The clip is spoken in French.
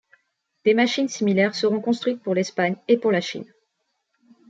Des machines similaires seront construites pour l'Espagne et pour la Chine.